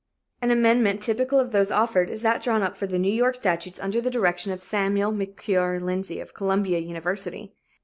An amendment typical of those offered is that drawn up for the New York statutes under the direction of Samuel McClure Lindsey, of Columbia University.